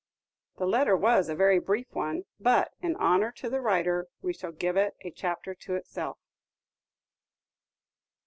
The letter was a very brief one; but, in honor to the writer, we shall give it a chapter to itself.